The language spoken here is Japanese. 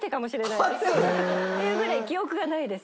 初！？っていうぐらい記憶がないです